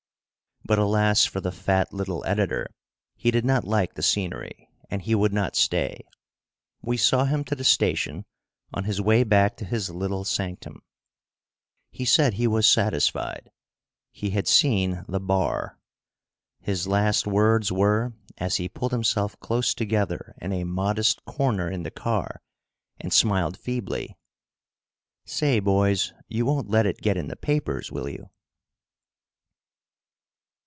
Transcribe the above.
But alas for the fat little editor; he did not like the scenery, and he would not stay. We saw him to the station on his way back to his little sanctum. He said he was satisfied. He had seen the "bar." His last words were, as he pulled himself close together in a modest corner in the car and smiled feebly: "Say, boys, you won't let it get in the papers, will you?"